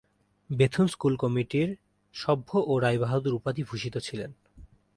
Bethune school কমিটির সভ্য ও 'রায়বাহাদুর' উপাধি ভূষিত ছিলেন।